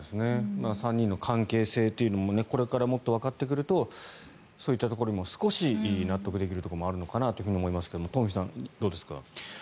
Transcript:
３人の関係性というのもこれからもっとわかってくるとそういったところも少し納得できるところもあるのかなと思いますが東輝さん、どうですか？